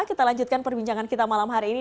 kita lanjutkan perbincangan kita malam hari ini